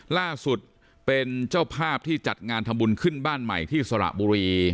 ล่าสุดเป็นเจ้าภาพที่จัดงานทำบุญขึ้นบ้านใหม่ที่สระบุรี